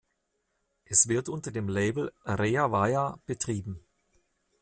Es wird unter dem Label "Rea Vaya" betrieben.